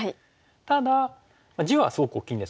ただ地はすごく大きいんですけども。